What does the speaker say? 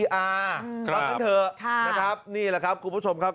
รับกันเถอะนะครับนี่แหละครับคุณผู้ชมครับ